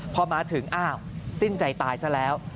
พอมาถึงอ้าวสิ้นใจตายซะแล้ว